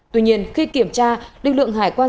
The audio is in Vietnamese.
tuy nhiên khi kiểm tra lực lượng hải quan